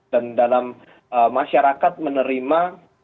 dan dalam masyarakat menerima